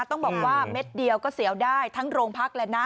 ต้องบอกว่าเม็ดเดียวก็เสียวได้ทั้งโรงพักแล้วนะ